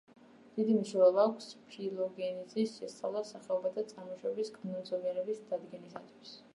დიდი მნიშვნელობა აქვს ფილოგენეზის შესწავლას სახეობათა წარმოშობის კანონზომიერების დადგენისთვის.